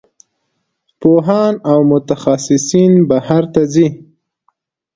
پوهان او متخصصین بهر ته ځي.